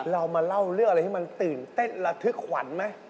เรามาเล่าเรื่องอะไรให้มันตื่นเต้นระทึกขวัญไหม